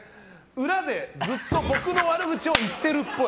裏でずっと僕の悪口を言ってるっぽい。